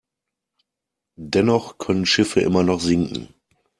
Dennoch können Schiffe immer noch sinken.